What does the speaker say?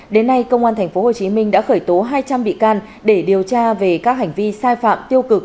đến nay công an tp hcm đã khởi tố hai trăm linh bị can để điều tra về các hành vi sai phạm tiêu cực